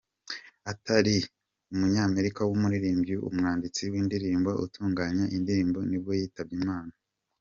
Arthur Lee, umunyamerika w’umuririmbyi, umwanditsi w’indirimbo, utunganya indirimbo ni bwo yitabye Imana.